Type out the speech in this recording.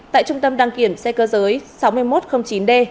tại trung tâm đăng kiểm xe cơ giới sáu nghìn một trăm linh chín d